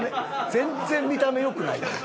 全然見た目良くないやん。